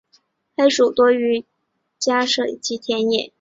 黑鼠多见于家舍以及田野。